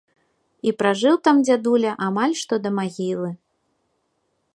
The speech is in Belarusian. І пражыў там дзядуля амаль што да магілы.